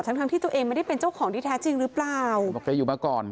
ทั้งทั้งที่ตัวเองไม่ได้เป็นเจ้าของที่แท้จริงหรือเปล่าบอกแกอยู่มาก่อน